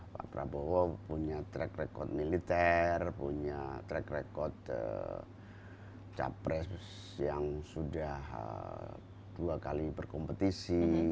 pak prabowo punya track record militer punya track record capres yang sudah dua kali berkompetisi